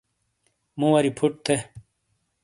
مُو وَری فُٹ تھے۔